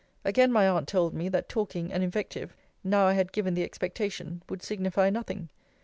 Again my aunt told me, that talking and invective, now I had given the expectation, would signify nothing.